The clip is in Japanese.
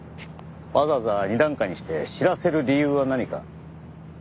わざわざ２段階にして知らせる理由は何か？